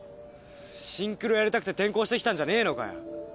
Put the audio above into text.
シンクロやりたくて転校してきたんじゃねえのかよ？